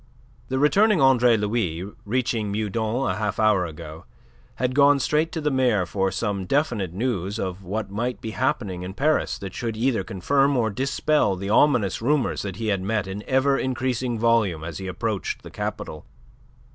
The returning Andre Louis, reaching Meudon a half hour ago, had gone straight to the mayor for some definite news of what might be happening in Paris that should either confirm or dispel the ominous rumours that he had met in ever increasing volume as he approached the capital.